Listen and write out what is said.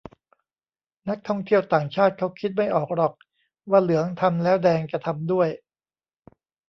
นักท่องเที่ยวต่างชาติเค้าคิดไม่ออกหรอกว่าเหลืองทำแล้วแดงจะทำด้วย